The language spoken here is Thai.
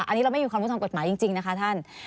อันนี้เราไม่มีความรู้ทางกฎหมายจริงนะคะท่าน